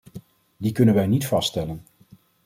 Die kunnen wij niet vaststellen.